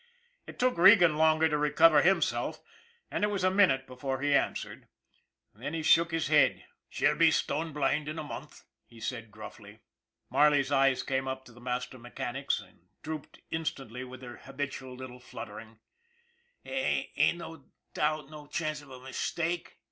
It took Regan longer to recover himself, and it was a minute before he answered. Then he shook his head. " She'll be stone blind in a month," he said gruffly. Marley's eyes came up to the master mechanic's and dropped instantly with their habitual little flut ter. " Ain't no doubt, no chance of a mistake?